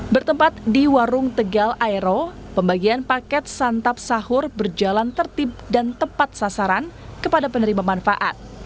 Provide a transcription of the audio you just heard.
bertempat di warung tegal aero pembagian paket santap sahur berjalan tertib dan tepat sasaran kepada penerima manfaat